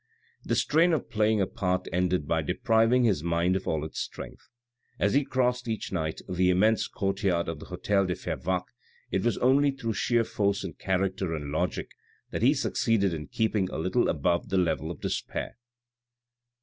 The strain of playing a part ended by depriving his mind of all its strength. As he crossed each night the immense court yard of the hotel de Fervaques, it was only through sheer force in character and logic that he succeeded in keeping a little above the level of despair.